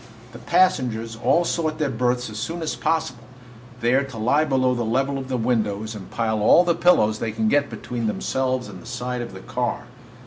The passengers all sought their berths as soon as possible, there to lie below the level of the windows and pile all the pillows they could get between themselves and the side of the car.